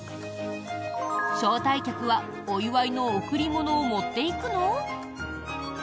招待客はお祝いの贈り物を持っていくの？